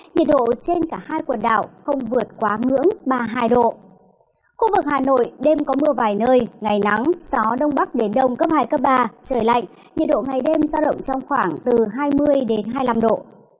nhiệt độ ngày đêm ra động trong khoảng từ hai mươi đến hai mươi năm độ